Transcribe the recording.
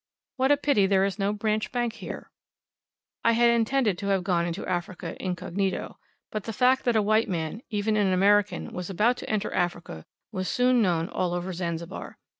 What a pity there is no branch bank here! I had intended to have gone into Africa incognito. But the fact that a white man, even an American, was about to enter Africa was soon known all over Zanzibar.